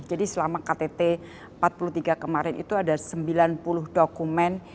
jadi selama ktt empat puluh tiga kemarin itu ada sembilan puluh dokumen